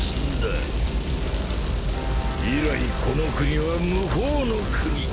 以来この国は無法の国。